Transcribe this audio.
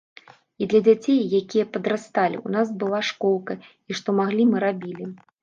І для дзяцей, якія падрасталі, у нас была школка, і што маглі, мы рабілі.